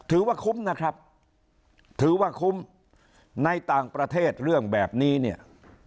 ถือว่าคุ้มนะครับถือว่าคุ้มในต่างประเทศเรื่องแบบนี้เนี่ย